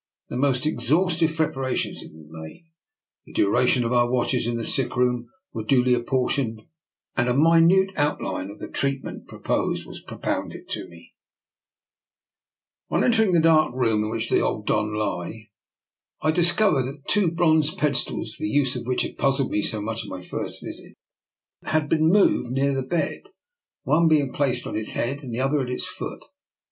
The most ex haustive preparations had been made, the duration of our watches in the sick room were duly apportioned, and a minute outline of the treatment proposed was propounded to me. 1 84 r>R NIKOLA'S EXPERIMENT. On entering the dark room in which the old Don lay, I discovered that the two bronze pedestals, the use of which had puzzled me so much on my first visit, had been moved near the bed, one being placed at its head and the other at its foot.